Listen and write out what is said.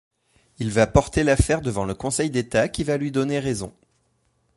Il va porter l'affaire devant le conseil d'État qui va lui donner raison.